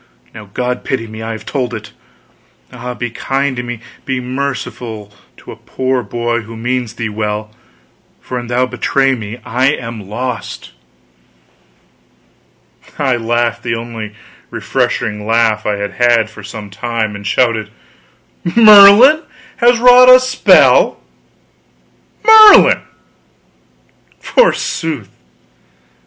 Now God pity me, I have told it! Ah, be kind to me, be merciful to a poor boy who means thee well; for an thou betray me I am lost!" I laughed the only really refreshing laugh I had had for some time; and shouted: "Merlin has wrought a spell! Merlin, forsooth!